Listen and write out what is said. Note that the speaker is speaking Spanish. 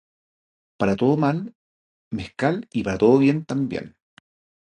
Para todo mal, mezcal y para todo bien también.